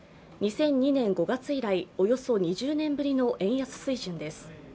２００２年５月以来およそ２０年ぶりの円安水準です。